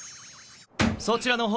そちらの方